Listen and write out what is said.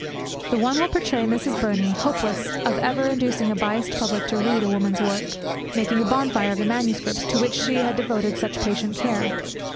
The one will portray Miss Burney, hopeless of ever inducing a biased public to read a woman's work, making a bonfire of the manuscripts to which she had devoted such patient care.